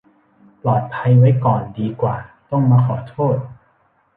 ปลอดภัยไว้ก่อนดีกว่าต้องมาขอโทษ